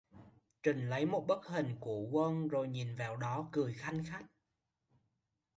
Trình lấy một bức hình của quân rồi nhìn vào đó cười khanh khách